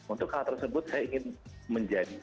untuk hal tersebut saya ingin menjadi